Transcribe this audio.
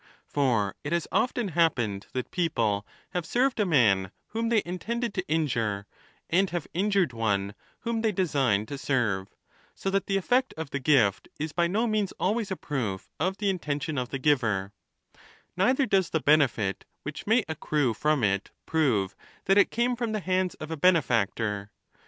For it has often happened that people have served a man whom they intended to injure, and have injured one whom they designed to serve; so that the effect of the gift is by no means always a proof of the intention of the giver ; neither does the benefit which may accrue from it prove that it came from the hands of a benefactor.